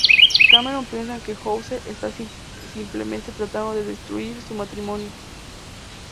Cameron piensa que House está simplemente tratando de destruir su matrimonio.